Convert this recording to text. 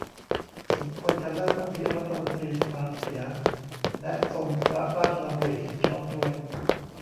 สมควรจะเลิกอภิรัฐมนตรีสภาเสีย และทรงพระราชดำริเห็นชอบด้วย